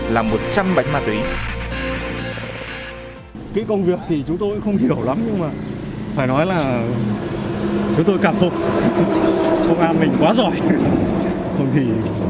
làm một trăm linh bánh ma túy